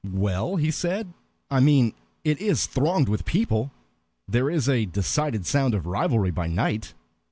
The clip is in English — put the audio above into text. "Well," he said, "I mean it is thronged with people. There is a decided 'sound of revelry by night'."